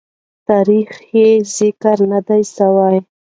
تاریخ یې ذکر نه دی سوی.